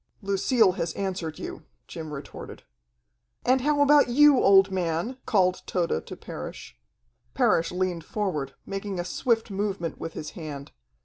"Lucille has answered you," Jim retorted. "And how about you, old man?" called Tode to Parrish. Parrish leased forward, making a swift movement with his hand.